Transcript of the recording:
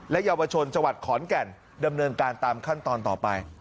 เยาวชนจังหวัดขอนแก่นดำเนินการตามขั้นตอนต่อไป